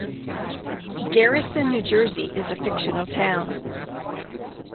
Garrison, New Jersey, is a fictional town.